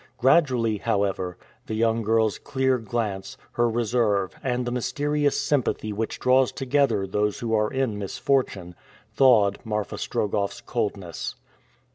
Gradually, however, the young girl's clear glance, her reserve, and the mysterious sympathy which draws together those who are in misfortune, thawed Marfa Strogoff's coldness.